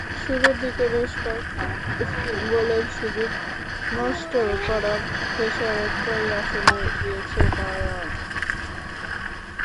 শুরুর দিকে বেশ কয়েকটি গোলের সুযোগ নষ্ট করার খেসারতটাই আসলে দিয়েছে বায়ার্ন।